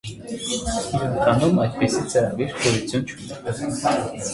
Իրականում այդպիսի ծրագիր գոյություն չունի։